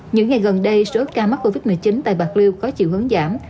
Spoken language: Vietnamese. những ngày gần đây số ca mắc covid một mươi chín tại bạc liêu có chiều hướng giảm